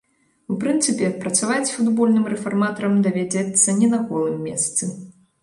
У прынцыпе, працаваць футбольным рэфарматарам давядзецца не на голым месцы.